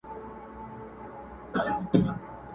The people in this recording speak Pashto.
ه ویري ږغ کولای نه سم،